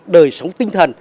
đời sống tinh thần